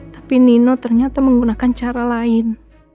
tapi nino ternyata menggunakan cara lain